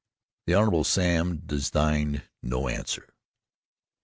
The Hon. Sam deigned no answer.